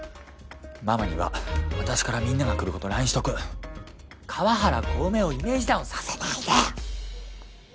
ママには私からみんなが来ることＬＩＮＥしとく川原小梅をイメージダウンさせないで！